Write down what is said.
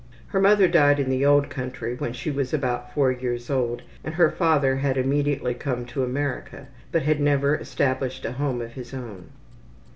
Her mother died in the old country when she was about four years old, and her father had immediately come to America, but had never established a home of his own.